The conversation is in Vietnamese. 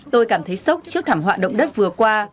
tôi cảm thấy sốc trước thảm họa động đất vừa qua